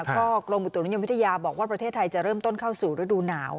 ก็กรมบุตุนิยมวิทยาบอกว่าประเทศไทยจะเริ่มต้นเข้าสู่ฤดูหนาว